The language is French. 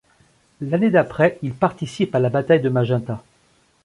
L'année d'après, il participe à la bataille de Magenta.